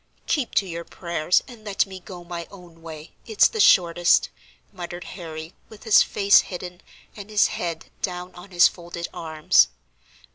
"Keep to your prayers, and let me go my own way, it's the shortest," muttered Harry, with his face hidden, and his head down on his folded arms.